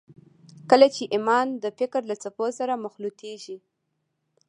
کله چې ايمان د فکر له څپو سره مخلوطېږي.